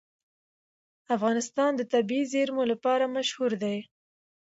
افغانستان د طبیعي زیرمې لپاره مشهور دی.